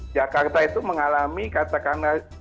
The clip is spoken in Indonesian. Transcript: jakarta itu mengalami katakanlah